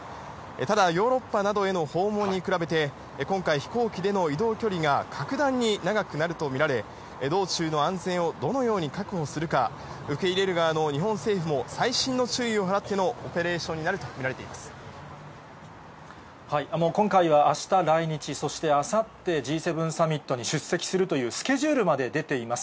ただ、ヨーロッパなどへの訪問に比べて、今回、飛行機での移動距離が格段に長くなると見られ、道中の安全をどのように確保するか、受け入れる側の日本政府も細心の注意を払ってのオペレーションに今回はあした来日、そしてあさってＧ７サミットに出席するというスケジュールまで出ています。